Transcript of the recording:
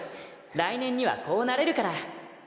来年にはこうなれるから！